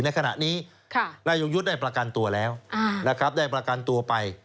ในขณะนี้นายกรณียุทธได้ประกันตัวแล้วได้ประกันตัวไป